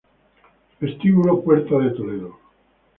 Vestíbulo Puerta de Toledo